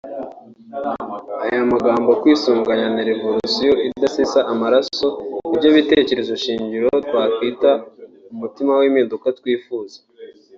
Aya magambo «kwisuganya» na «Revolisiyo idasesa amaraso» nibyo bitekerezo- shingiro twakwita umutima w’impinduka twifuza